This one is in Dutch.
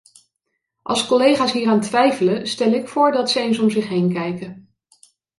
Als collega's hieraan twijfelen, stel ik voor dat ze eens om zich heen kijken.